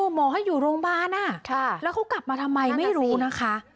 หมอให้อยู่โรงพยาบาลแล้วเขากลับมาทำไมไม่รู้นะคะ